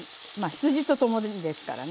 羊と共にですからね。